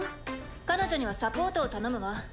彼女にはサポートを頼むわ。